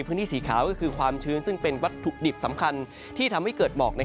พื้นที่สีขาวก็คือความชื้นซึ่งเป็นวัตถุดิบสำคัญที่ทำให้เกิดหมอก